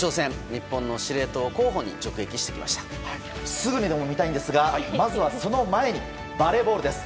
日本の司令塔候補にすぐにでも見たいんですがまずは、その前にバレーボールです。